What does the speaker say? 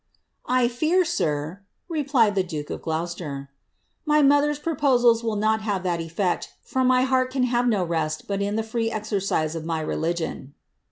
*•! fear, sir," replied the duke of Gloucester, "my mother's proposals will not have that effect, for my heart can have no rest but in the free exercise of my religion."